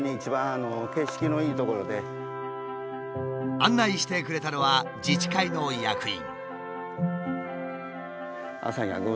案内してくれたのは自治会の役員。